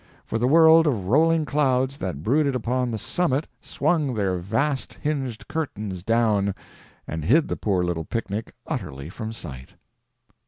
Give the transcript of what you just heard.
For the world of rolling clouds that brooded upon the summit swung their vast hinged curtains down, and hid the poor little picnic utterly from sight.